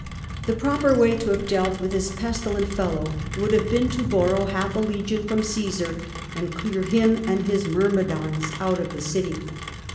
The proper way to have dealt with this pestilent fellow would have been to borrow half a legion from Cassar and clear him and his myrmidons out of the city.